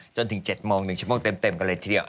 จนถึง๗โมง๑ชั่วโมงเต็มกันเลยทีเดียว